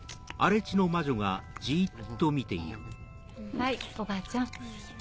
はいおばあちゃん。